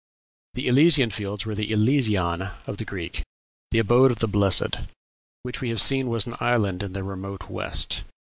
The Elysian Fields were the "Elysion" of the Greeks, the abode of the blessed, which we have seen was an island in the remote west.